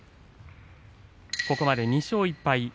ここまで２勝１敗。